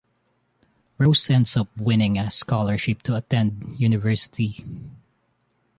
Rose ends up winning a scholarship to attend university.